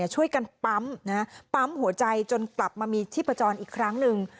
ช่วยกันปั๊มหัวใจจนกลับมามีที่ประจอนอีกครั้งหนึ่ง